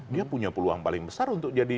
dia punya peluang paling besar untuk jadi